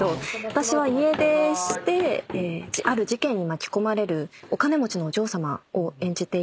私は家出してある事件に巻き込まれるお金持ちのお嬢さまを演じてて。